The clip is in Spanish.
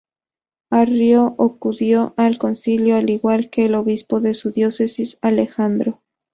Arrio acudió al concilio, al igual que el obispo de su diócesis, Alejandro.